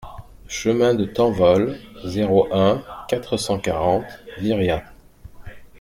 Chemin de Tanvol, zéro un, quatre cent quarante Viriat